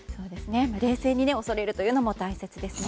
冷静に恐れるのも大切ですね。